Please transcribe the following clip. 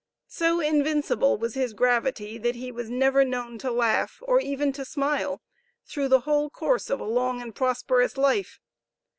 So invincible was his gravity that he was never known to laugh, or even to smile, through the whole course of a long and prosperous life.